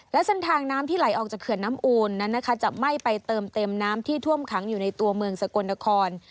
และเส้นทางน้ำที่ไหลออกจากเขื่อนน้ำอูนนั้นนะคะจะไหม้ไปเติมเต็มน้ำที่ท่วมขังอยู่ในตัวเมืองสกลนคร